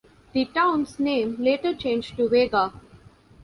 The town's name later changed to Vega.